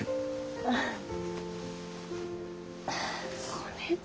ごめんね。